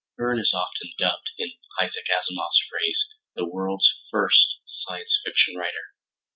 Verne is often dubbed, in Isaac Asimov's phrase, "the world's first science fiction writer."